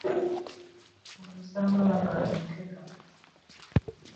Abalala osanga bageya ategana .